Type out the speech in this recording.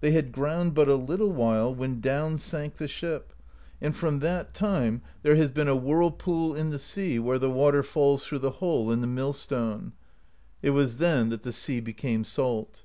They had ground but a little while, when down sank the ship; and from that THE POESY OF SKALDS 163 time there has been a whirlpool in the sea where the water falls through the hole in the mill stone. It was then that the sea became salt.